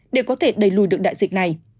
để có thể đẩy lùi được đại dịch này